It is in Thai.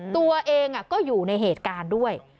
ตัวเองก็อยู่ในเหตุการณ์ด้วย